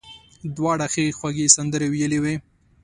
دواړو ښې خوږې سندرې ویلې وې.